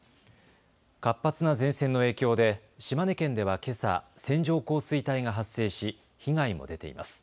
活発な前線の影響で島根県ではけさ線状降水帯が発生し被害も出ています。